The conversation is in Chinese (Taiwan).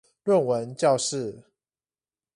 論文教室